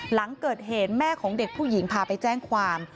หลังเกิดเหตุแม่ของเด็กผู้หญิงพาไปแจ้งความ